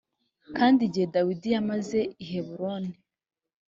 kandi igihe dawidi yamaze i heburoni